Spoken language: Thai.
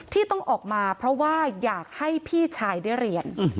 ที่ต้องออกมาเพราะว่าอยากให้พี่ชายได้เรียน